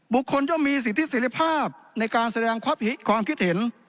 บุคคลย่อมมีสิทธิศิริภาพในการแสดงความคิดเห็น